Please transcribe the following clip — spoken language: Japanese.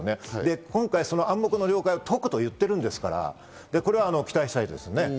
今回その暗黙の了解を解くと言ってるんですから、これは期待したいですね。